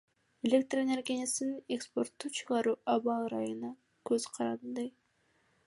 Электроэнергиясын экспортко чыгаруу аба ырайынан көзкаранды.